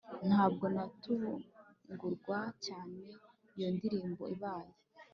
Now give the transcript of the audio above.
Ntabwo natungurwa cyane iyo ndirimbo ibaye